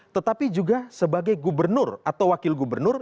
tetapi juga sebagai gubernur atau wakil gubernur